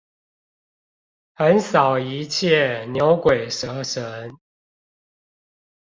橫掃一切牛鬼蛇神！